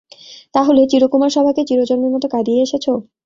তা হলে চিরকুমার-সভাকে চিরজন্মের মতো কাঁদিয়ে এসেছ?